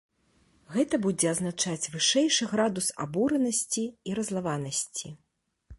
Гэта будзе азначаць вышэйшы градус абуранасці і раззлаванасці.